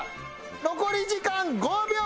残り時間５秒！